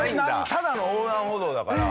ただの横断歩道だから。